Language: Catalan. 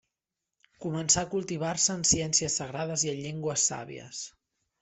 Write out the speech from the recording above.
Començà a cultivar-se en ciències sagrades i en llengües sàvies.